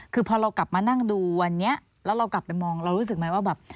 คือพอเรากลับมานั่งดูวันนี้แล้วเรากลับไปมองเรารู้สึกไหมว่าแบบ